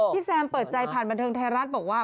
แซมเปิดใจผ่านบันเทิงไทยรัฐบอกว่า